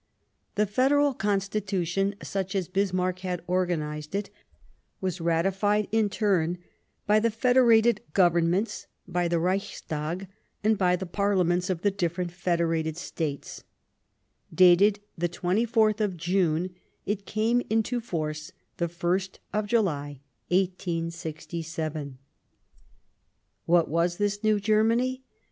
The Federal Constitution, such as Bismarck had organized it, was ratified in turn by the Fede rated Governments, by the Reichstag, and StioS°oM867 ^y the Parliaments of the different Federated States ; dated the 24th of June, it came into force the ist of July, 1867. What was this new Germany